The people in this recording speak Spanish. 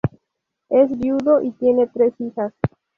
Es viudo y tiene tres hijas.